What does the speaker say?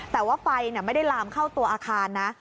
แต่ว่าไฟไม่ได้ลามเข้าตัวอาคารนะ